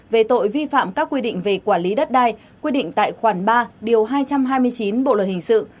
về tội vi phạm các quy định về quản lý đất đai quy định tại khoản ba điều hai trăm hai mươi chín bộ luật hình sự